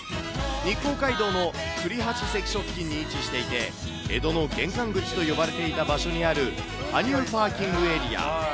日光街道の栗橋関所付近に位置していて、江戸の玄関口と呼ばれていた場所にある羽生パーキングエリア。